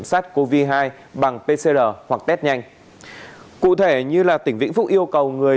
sát covid một mươi chín bằng pcr hoặc tết nhanh cụ thể như là tỉnh vĩnh phúc yêu cầu người